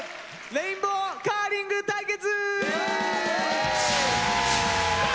「レインボーカーリング対決！」。